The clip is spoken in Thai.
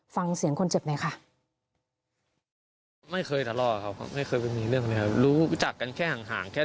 ฟังเสียงคนเจ็บหน่อยค่ะ